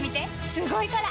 すごいから！